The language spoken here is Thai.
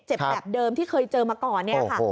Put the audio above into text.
เจ็บแบบเดิมที่เคยเจอมาก่อน